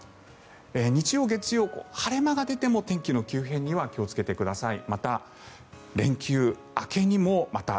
日曜、月曜は晴れ間が出ていても天気の急変には気をつけてください。